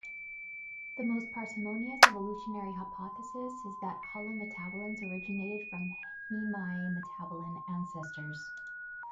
The most parsimonious evolutionary hypothesis is that holometabolans originated from hemimetabolan ancestors.